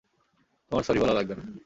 তোমার সরি বলা লাগবে না।